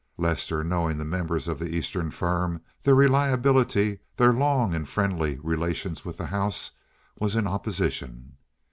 Lester, knowing the members of the Eastern firm, their reliability, their long and friendly relations with the house, was in opposition.